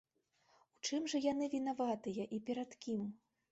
У чым жа яны вінаватыя і перад кім?